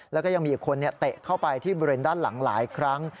แล้วก็ยังมีอีกคนเตะเข้าไปที่บริเวณด้านหลังหลายครั้ง